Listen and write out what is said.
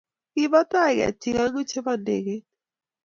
Kibo tai ketiik aeng'u chebo indegeit